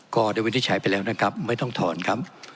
ก็ได้วินิจฉัยไปแล้วนะครับไม่ต้องถอนครับ